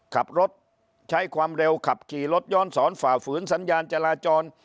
ขับรถใช้ความเร็วขับขี่รถย้อนสอนฝ่าฝืนสัญญาณจราจร